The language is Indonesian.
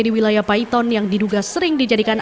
di wilayah paiton yang diduga sering dijadikan